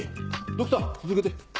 ドクター続けて。